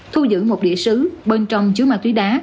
thu giữ một địa sứ bên trong chứa ma túy đá